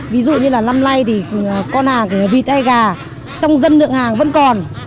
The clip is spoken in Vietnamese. ví dụ như năm nay con hàng vịt hay gà trong dân lượng hàng vẫn còn